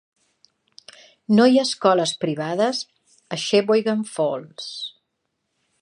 No hi ha escoles privades a Sheboygan Falls.